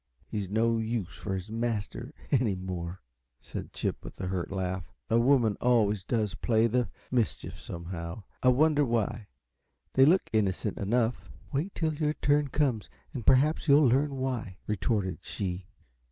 "He's no use for his master, any more," said Chip, with a hurt laugh. "A woman always does play the mischief, somehow. I wonder why? They look innocent enough." "Wait till your turn comes, and perhaps you'll learn why," retorted she.